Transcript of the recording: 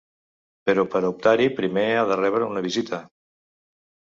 Però per a optar-hi primer ha de rebre una visita.